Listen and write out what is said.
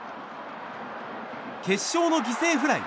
決勝の犠牲フライ。